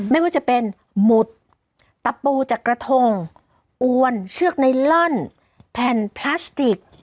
ไม่ว่าจะเป็นหมุดตะปูจากกระทงอวนเชือกไนลอนแผ่นพลาสติก